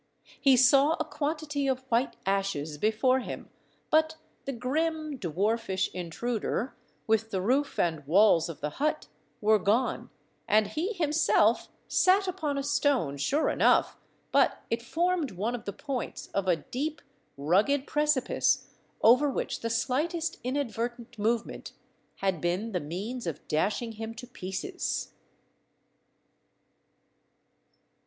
He saw a quantity of white ashes before him, but the grim dwarfish intruder, with the roof and walls of the hut, were gone, and he himself, sat upon a stone, sure enough, but it formed one of the points of a deep, rugged precipice, over which the slightest inadvertent movement had been the means of dashing him to pieces.